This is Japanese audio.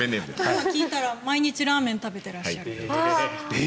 聞いたら毎日ラーメン食べてらっしゃると。